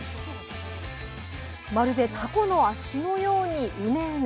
まるでタコの足のようにうねうね。